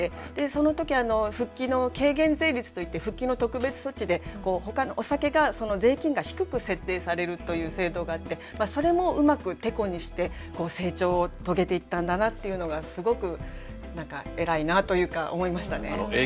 その時復帰の軽減税率といって復帰の特別措置でほかのお酒が税金が低く設定されるという制度があってそれもうまくテコにして成長を遂げていったんだなっていうのがすごく偉いなというか思いましたね。